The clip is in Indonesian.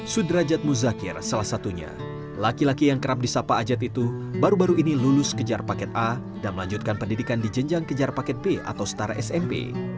sudrajat muzakir salah satunya laki laki yang kerap disapa ajat itu baru baru ini lulus kejar paket a dan melanjutkan pendidikan di jenjang kejar paket b atau setara smp